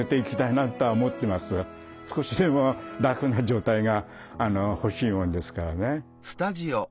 少しでも楽な状態がほしいものですからね。